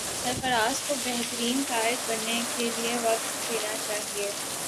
سرفراز کو بہترین قائد بننے کے لیے وقت دینا چاہیے